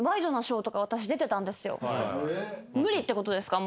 無理ってことですか？